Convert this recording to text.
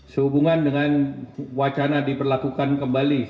sehubungan dengan wacana diperlakukan kembali